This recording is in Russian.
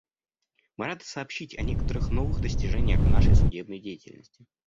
Мы рады сообщить о некоторых новых достижениях в нашей судебной деятельности.